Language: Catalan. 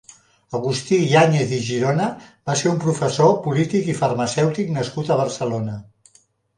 Agustí Yáñez i Girona va ser un professor, polític i farmacèutic nascut a Barcelona.